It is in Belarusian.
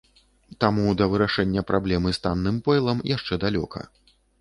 Таму да вырашэння праблемы з танным пойлам яшчэ далёка.